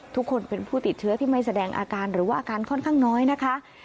ทุกคนเป็นผู้ติดเชื้อที่ไม่แสดงอาการหรือว่าอาการค่อนข้างน้อยนะคะ